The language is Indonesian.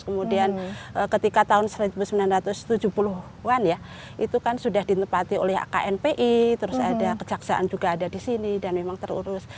kemudian ketika tahun seribu sembilan ratus tujuh puluh an ya itu kan sudah ditempati oleh knpi terus ada kejaksaan juga ada di sini dan memang terurus